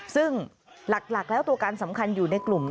ซึ่งหลักแล้วตัวการสำคัญอยู่ในกลุ่ม